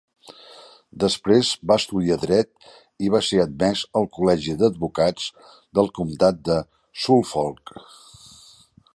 Després va estudiar dret i va ser admès al col·legi d'advocats del comtat de Suffolk.